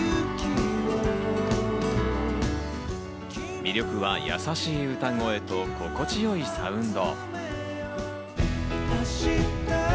魅力は優しい歌声と心地よいサウンド。